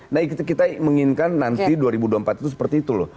nah kita menginginkan nanti dua ribu dua puluh empat itu seperti itu loh